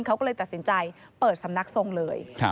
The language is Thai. เขาก็เลยตัดสินใจเปิดสำนักทรงเลย